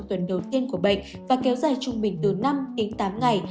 để ra trong tuần đầu tiên của bệnh và kéo dài trung bình từ năm đến tám ngày